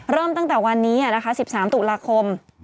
เริ่มตั้งแต่วันนี้นะคะ๑๓ตุลาคม